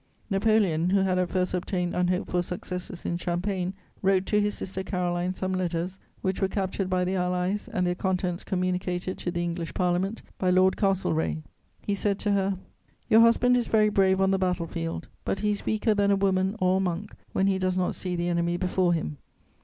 Napoleon, who had at first obtained unhoped for successes in Champagne, wrote to his sister Caroline some letters which were captured by the Allies and their contents communicated to the English Parliament by Lord Castlereagh. He said to her: "Your husband is very brave on the battle field, but he is weaker than a woman or a monk when he does not see the enemy before him.